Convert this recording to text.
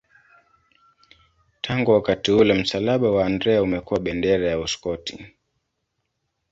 Tangu wakati ule msalaba wa Andrea umekuwa bendera ya Uskoti.